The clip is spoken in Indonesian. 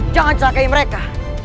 jangan celakai mereka